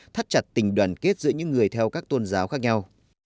thắt chặt tình đoàn kết giữa những người theo các tôn giáo khác nhau